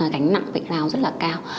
cánh nặng bệnh lao rất là cao